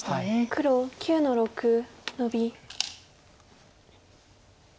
黒９の六ノビ。